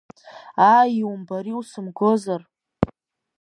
Ааи иумбари усымгозар?